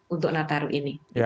untuk nataru ini